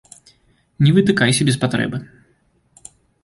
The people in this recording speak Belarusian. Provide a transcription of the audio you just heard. Не вытыкайся без патрэбы.